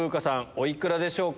お幾らでしょうか？